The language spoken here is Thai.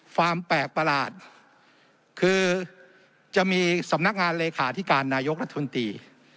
ความแปลกประหลาดคือจะมีสำนักงานเลขาธิการนายกรัฐมนตรี